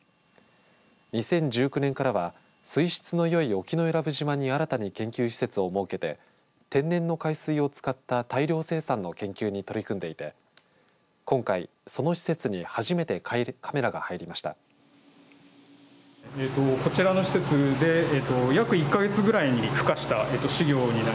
２０１９年からは水質のよい沖永良部島に新たに研究施設を設けて天然の海水を使った大量生産の研究に取り組んでいて今回その施設に初めてカメラが入りました。